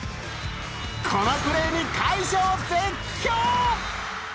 このプレーに会場絶叫！